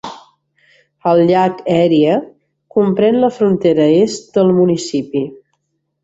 El llac Erie comprèn la frontera est del municipi.